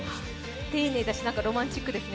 丁寧だしロマンチックですね。